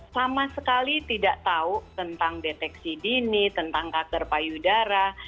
sama sekali tidak tahu tentang deteksi dini tentang kanker payudara